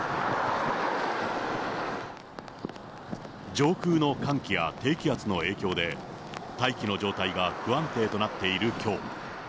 上空の寒気や低気圧の影響で、大気の状態が不安定となっているきょう。